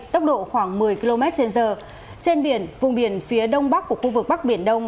tốc độ khoảng một mươi km trên giờ trên biển vùng biển phía đông bắc của khu vực bắc biển đông